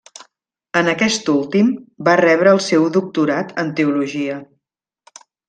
En aquest últim va rebre el seu doctorat en teologia.